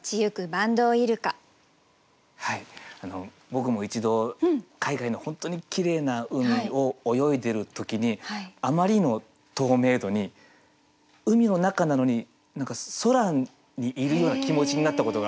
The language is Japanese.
僕も一度海外の本当にきれいな海を泳いでる時にあまりの透明度に海の中なのに何か空にいるような気持ちになったことがあるんですね。